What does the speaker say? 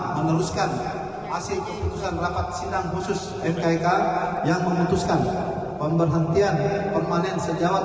meneruskan acj keputusan rapat sindang khusus mkk yang memutuskan pemberhentian permanen sejawat